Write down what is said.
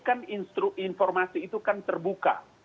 kan informasi itu kan terbuka